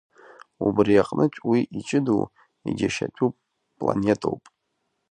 Убри аҟнытә уи иҷыдоу, иџьашьатәу планетоуп.